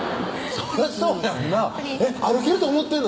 そりゃそうやんな歩けると思ってんの？